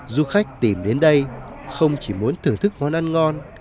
du khách tìm đến đây không chỉ muốn thưởng thức món ăn ngon